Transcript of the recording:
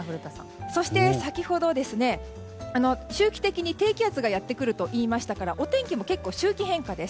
そして、先ほど周期的に低気圧がやってくると言いましたからお天気も結構、周期変化です。